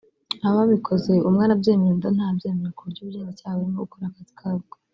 ababikoze umwe arabyemera undi ntabyemera ku buryo ubugenzacyaha burimo gukora akazi kabwo